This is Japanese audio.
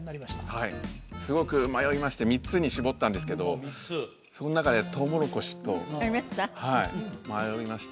はいすごく迷いまして３つに絞ったんですけどおっ３つそん中でとうもろこしと迷いました？